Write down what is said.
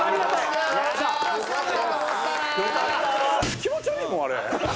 気持ち悪いもんあれ。